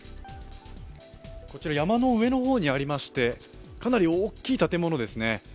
こちら山の上の方にありましてかなり大きい建物ですね。